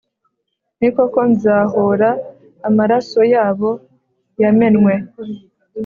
Ni koko: nzahora amaraso yabo yamenwe,